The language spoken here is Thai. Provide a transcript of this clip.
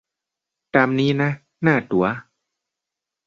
ตามนี้นะ หน้าตั๋ว